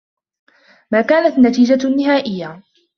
ما كانت النتيجة النهائية؟